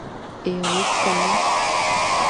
Еилыбкаау?